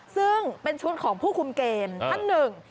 ซึ่งเป็นชุดของผู้คุมเกมท่านหนึ่ง